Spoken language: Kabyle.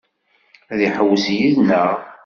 Ad iḥewwes yid-neɣ?